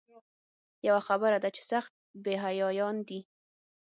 یوه خبره ده چې سخت بې حیایان دي.